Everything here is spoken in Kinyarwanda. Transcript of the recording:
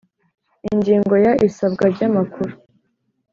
Ingingo ya Isabwa ry amakuru